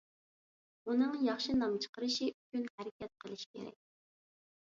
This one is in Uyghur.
ئۇنىڭ ياخشى نام چىقىرىشى ئۈچۈن ھەرىكەت قىلىشى كېرەك.